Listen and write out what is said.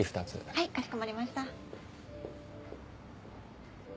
はいかしこまりました。